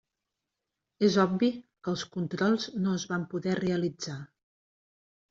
És obvi que els controls no es van poder realitzar.